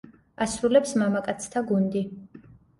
ასრულებს მამაკაცთა გუნდი.